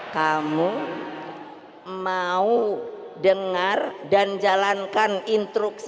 kamu mau dengar dan jalankan instruksi